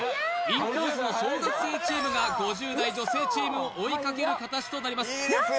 インコースの小学生チームが５０代女性チームを追いかけるかたちとなります